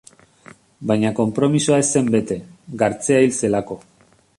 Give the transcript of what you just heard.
Baina konpromisoa ez zen bete, Gartzea hil zelako.